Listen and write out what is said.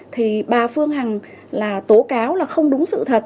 thì bà phương hằng là tố cáo là không đúng sự thật